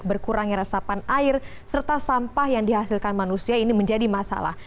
berkurangnya resapan air serta sampah yang dihasilkan manusia ini menjadi masalah